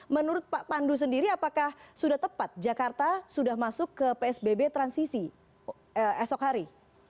menurut pak pandu sendiri apakah sudah tepat jakarta sudah masuk ke psbb transisi esok hari